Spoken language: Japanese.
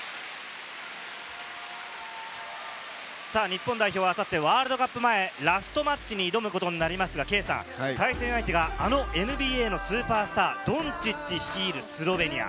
日本代表はあさってワールドカップ前ラストマッチに挑むことになりますが、圭さん、対戦相手があのＮＢＡのスーパースター、ドンチッチ率いるスロベニア。